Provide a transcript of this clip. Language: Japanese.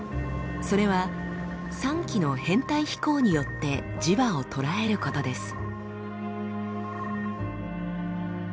それは３基の編隊飛行によって磁場を捉えることです。